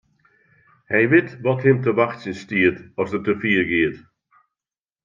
Hy wit wat him te wachtsjen stiet as er te fier giet.